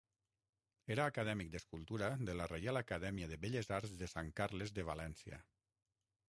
Era acadèmic d'Escultura de la Reial Acadèmia de Belles Arts de Sant Carles de València.